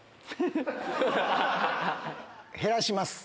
減らします。